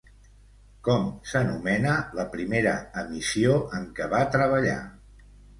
Com s'anomena la primera emissió en què va treballar?